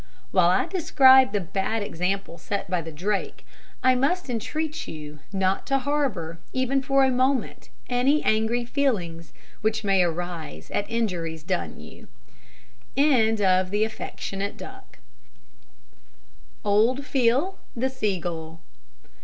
While I describe the bad example set by the drake, I must entreat you not to harbour even for a moment any angry feelings which may arise at injuries done you. OLD PHIL THE SEA GULL.